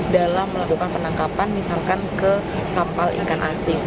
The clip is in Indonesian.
dalam melakukan penangkapan misalkan ke kapal ikan asing